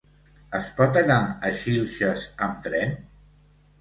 Es pot anar a Xilxes amb tren?